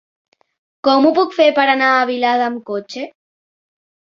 Com ho puc fer per anar a Vilada amb cotxe?